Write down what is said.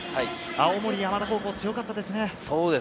青森山田高校、強かったですね。